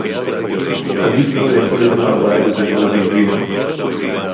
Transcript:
עדיף לא לאכול יותר מארבעה אגוזי ברזיל ביום.